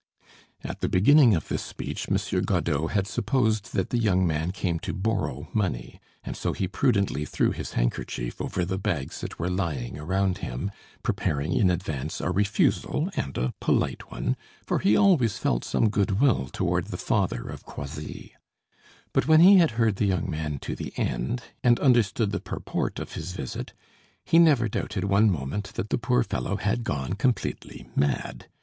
At the beginning of this speech, Monsieur Godeau had supposed that the young man came to borrow money, and so he prudently threw his handkerchief over the bags that were lying around him, preparing in advance a refusal, and a polite one, for he always felt some good will toward the father of Croisilles. But when he had heard the young man to the end, and understood the purport of his visit, he never doubted one moment that the poor fellow had gone completely mad.